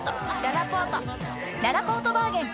ららぽーとバーゲン開催！